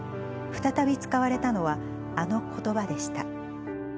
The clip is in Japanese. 再び使われたのは、あのことばでした。